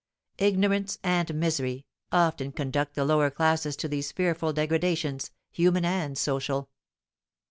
Ignorance and misery often conduct the lower classes to these fearful degradations, human and social.